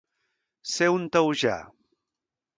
Ser un taujà.